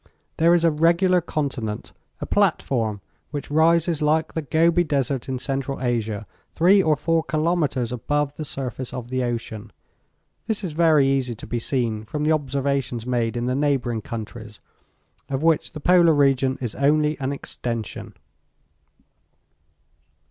"There is a regular continent, a platform which rises like the Gobi desert in Central Asia, three or four kilometres above the surface of the ocean. This is very easy to be seen from the observations made in the neighboring countries, of which the polar region is only an extension.